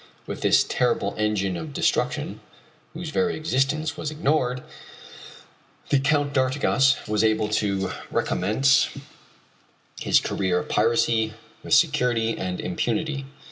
With this terrible engine of destruction, whose very existence was ignored, the Count d'Artigas was able to recommence his career of piracy with security and impunity.